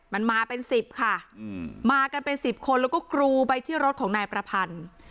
มันมาเป็นสิบค่ะมากันเป็นสิบคนแล้วก็กรูไปที่รถของนายประพันธ์